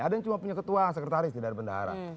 ada yang cuma punya ketua sekretaris di daerah bendahara